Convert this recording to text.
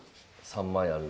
３枚ある。